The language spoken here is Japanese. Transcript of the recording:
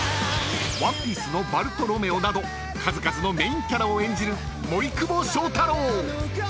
［『ＯＮＥＰＩＥＣＥ』のバルトロメオなど数々のメインキャラを演じる森久保祥太郎］